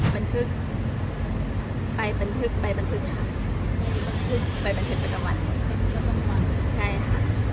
บันทึกใบบันทึกใบบันทึกใบบันทึกปัจจังวัน